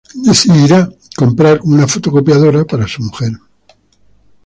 Él decidirá comprar una fotocopiadora para su mujer.